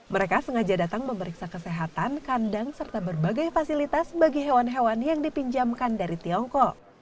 mereka sengaja datang memeriksa kesehatan kandang serta berbagai fasilitas bagi hewan hewan yang dipinjamkan dari tiongkok